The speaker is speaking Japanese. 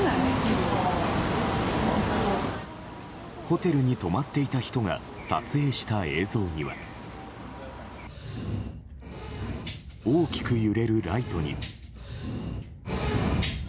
ホテルに泊まっていた人が撮影した映像には大きく揺れるライトに。